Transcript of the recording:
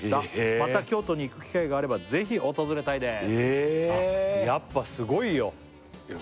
「また京都に行く機会があればぜひ訪れたいです」